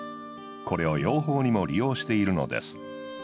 これを養蜂にも利用しているのです。